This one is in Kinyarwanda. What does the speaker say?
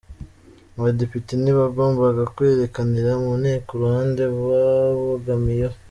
Abadepite ntibagombaga kwerekanira mu Nteko uruhande babogamiyeho.